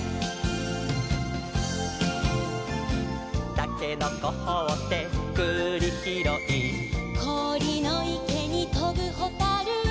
「たけのこほってくりひろい」「こおりのいけにとぶほたる」